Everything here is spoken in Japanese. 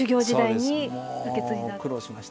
もう苦労しました。